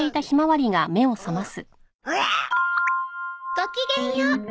ごきげんよう。